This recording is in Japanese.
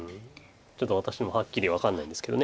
ちょっと私もはっきり分かんないんですけど。